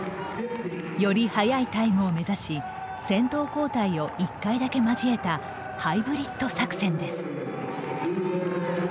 より速いタイムを目差し先頭交代を１回だけ交えた「ハイブリッド作戦」です。